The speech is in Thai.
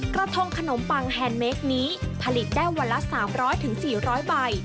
กระทงขนมปังแฮนดเมคนี้ผลิตได้วันละ๓๐๐๔๐๐ใบ